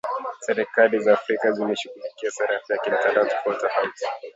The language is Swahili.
Serikali za Afrika zimeshughulikia sarafu ya kimtandao tofauti-tofauti